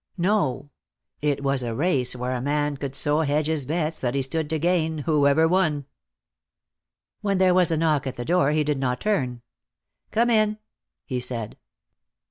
No, it was a race where a man could so hedge his bets that he stood to gain, whoever won. When there was a knock at the door he did not turn. "Come in," he said.